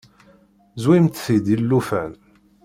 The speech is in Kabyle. Zwimt-t-id i llufan.